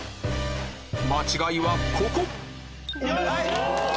間違いはここ！